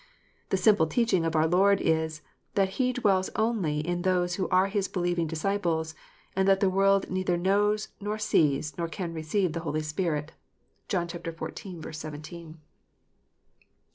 The simple teaching of our Lord is, that He dwells only in those who are His believing disciples, and that the world neither knows, nor sees, nor can receive the Holy Spirit. (John xiv. 17.) 396 KNOTS UNTIED.